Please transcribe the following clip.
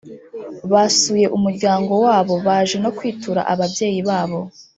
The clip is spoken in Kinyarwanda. Basuye umuryango wabo baje no kwitura ababyeyi babo